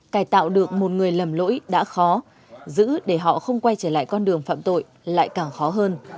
cải tạo được một người lầm lỗi đã khó giữ để họ không quay trở lại con đường phạm tội lại càng khó hơn